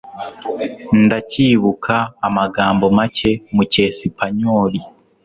Ndacyibuka amagambo make mu cyesipanyoli.